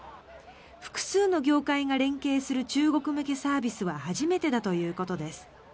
複数の業界が連携する中国向けサービスは初めてだということです。